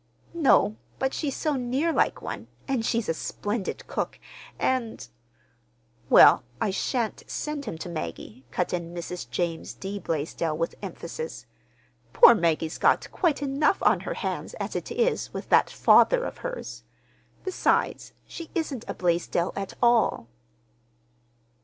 "No, but she's so near like one, and she's a splendid cook, and—" "Well, I shan't send him to Maggie," cut in Mrs. James D. Blaisdell with emphasis. "Poor Maggie's got quite enough on her hands, as it is, with that father of hers. Besides, she isn't a Blaisdell at all."